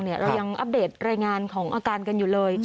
เรายังอัปเดตรายงานของอาการกันอยู่เลย